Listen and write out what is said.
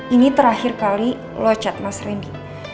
ini terakhir kali lo cat mas randy